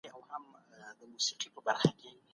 دا سفر نه درېږي.